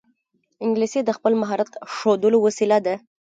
انګلیسي د خپل مهارت ښودلو وسیله ده